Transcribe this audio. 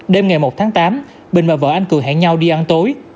đêm ngày một tháng tám bình và vợ anh cường hẹn nhau đi ăn tối